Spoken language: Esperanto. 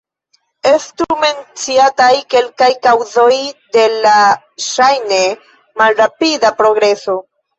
Estu menciataj kelkaj kaŭzoj de la ŝajne malrapida progreso.